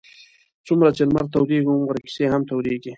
څومره چې لمر تودېږي هغومره کیسې هم تودېږي.